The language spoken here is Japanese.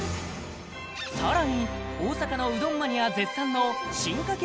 さらに大阪のうどんマニア絶賛の進化系